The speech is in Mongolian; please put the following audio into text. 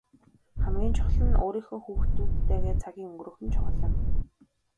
Хамгийн чухал нь өөрийнхөө хүүхдүүдтэйгээ цагийг өнгөрөөх нь чухал юм.